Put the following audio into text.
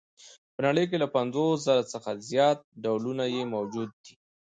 په نړۍ کې له پنځوس زره څخه زیات ډولونه یې موجود دي.